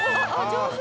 上手！